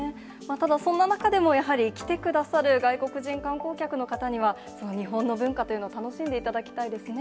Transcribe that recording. ただ、そんな中でもやはり、来てくださる外国人観光客の方には、日本の文化というのを楽しんでいただきたいですね。